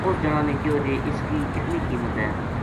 اُس جنا نے کہیو جی اِس کی کتنی قیمت ہے